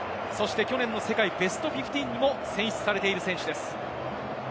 去年の世界ベストフィフティーンにも選出されている選手です。